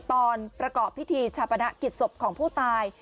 ประกอบพิธีชาปนกิจศพของผู้ตาย